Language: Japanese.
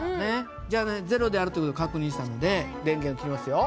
じゃあね０であるという事確認したので電源を切りますよ。